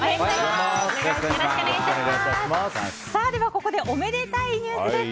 ここでおめでたいニュースです。